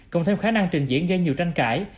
cộng thêm khả năng trình diễn gây nhiều tranh cãi